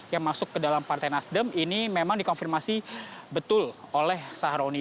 yang masuk ke dalam partai nasdem ini memang dikonfirmasi betul oleh saharoni